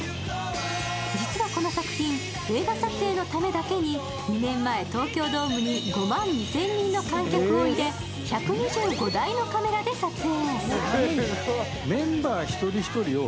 実はこの作品、映画撮影のためだけに、２年前、東京ドームに５万２０００人の観客を入れ、１２５台のカメラで撮影。